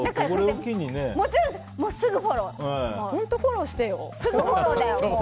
本当にフォローしてよ。